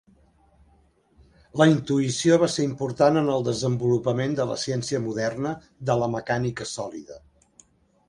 La intuïció va ser important en el desenvolupament de la ciència moderna de la mecànica sòlida.